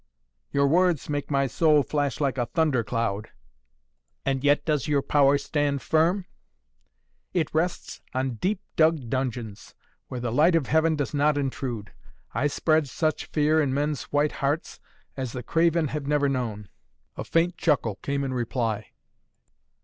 "Your words make my soul flash like a thunder cloud." "And yet does your power stand firm?" "It rests on deep dug dungeons, where the light of heaven does not intrude. I spread such fear in men's white hearts as the craven have never known." A faint chuckle came in reply.